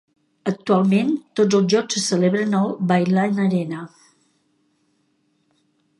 Actualment, tots els jocs se celebren al Vaillant Arena.